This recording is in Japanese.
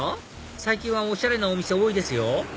最近はおしゃれなお店多いですよ